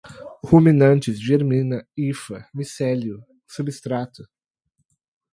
ruminantes, germina, hifa, micélio, substrato